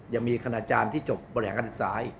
ยังมีคณาจารย์ที่จบบริหารการศึกษาอีก